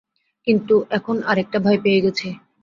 কিন্তু এখন আরেকটা ভাই পেয়ে গেছি।